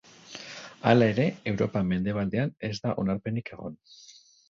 Hala ere, Europa mendebaldean ez da onarpenik egon.